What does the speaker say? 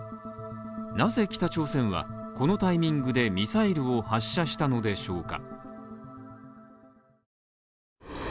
なぜ北朝鮮はこのタイミングでミサイルを発射したのでしょうか